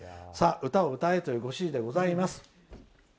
歌を歌えというご指示でございます。